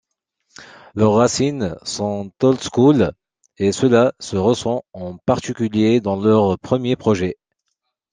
Leurs racines sont oldschool et cela se ressent en particulier dans leurs premiers projets.